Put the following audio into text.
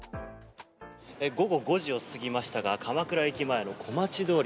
午後５時を過ぎましたが鎌倉駅前の小町通り。